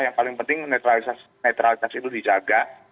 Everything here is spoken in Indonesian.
yang paling penting netralitas itu dijaga